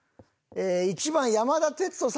１番山田哲人さん